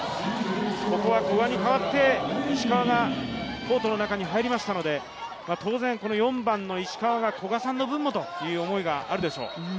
ここは古賀に代わって石川がコートの中に入りましたので、当然、４番の石川が、古賀さんの分もという思いがあるでしょう。